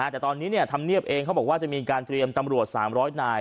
แต่ตอนนี้ธรรมเนียบเองเขาบอกว่าจะมีการเตรียมตำรวจ๓๐๐นาย